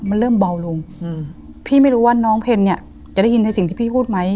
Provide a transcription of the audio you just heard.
มันเริ่มเบาลงอืมพี่ไม่รู้ว่าน้องเพลเนี่ยจะได้ยินในสิ่งที่พี่พูดไหม